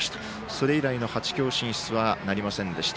それ以来の８強進出はなりませんでした。